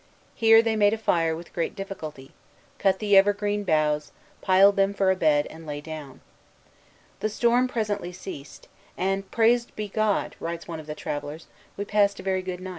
Here they made a fire with great difficulty, cut the evergreen boughs, piled them for a bed, and lay down. The storm presently ceased; and, "praised be God," writes one of the travellers, "we passed a very good night."